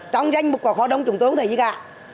trong danh mục của khóa đông chúng tôi không thấy gì cả